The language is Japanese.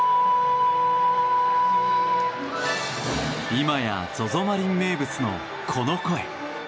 今や、ＺＯＺＯマリン名物のこの声。